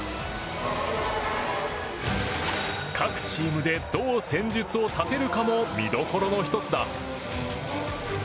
各チームで、どう戦術を立てるかも、見どころの１つだ。